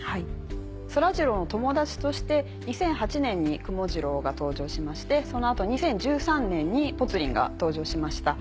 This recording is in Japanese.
そらジローの友達として２００８年にくもジローが登場しましてその後２０１３年にぽつリンが登場しました。